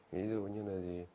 ví dụ như là gì